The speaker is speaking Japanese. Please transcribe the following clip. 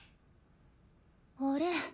あれ？